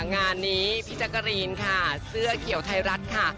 งานนี้พิชกรีนค่ะเสื้อเขียวไทรรัฐค่ะ